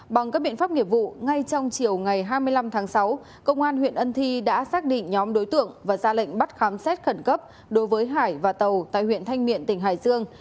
bằng các biện pháp nghiệp vụ ngay trong chiều ngày hai mươi năm tháng sáu công an huyện ân thi đã xác định nhóm đối tượng và ra lệnh bắt khám xét khẩn cấp đối với hải và tàu tại huyện thanh miện tỉnh hải dương